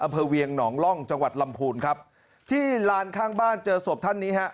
อำเภอเวียงหนองร่องจังหวัดลำพูนครับที่ลานข้างบ้านเจอศพท่านนี้ฮะ